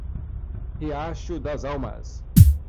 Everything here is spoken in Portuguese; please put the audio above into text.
Riacho das Almas